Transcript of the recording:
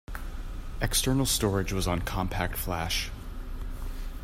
External storage was on CompactFlash.